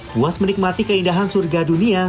puas menikmati keindahan surga dunia